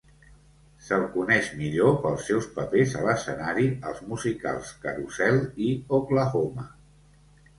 Se'l coneix millor pel seus papers a l'escenari als musicals "Carousel" i "Oklahoma!".